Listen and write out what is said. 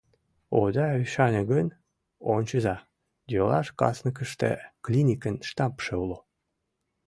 Ода ӱшане гын, ончыза: йолаш касныкыште клиникын штампше уло.